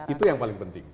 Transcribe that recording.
itu yang paling penting